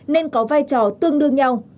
nên có vai trò tương đương nhau